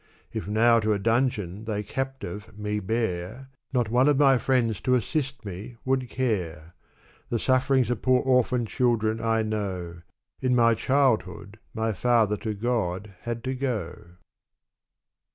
If now to a dungeon they captive me bear, Not one of my friends to assist me would care. The sufferings of poor orphan children I know ; In my childhood, my father to God had to go.